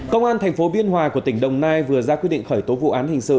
công an tp biên hòa của tỉnh đồng nai vừa ra quyết định khởi tố vụ án hình sự